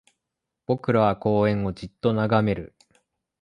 僕らは公園をじっと眺める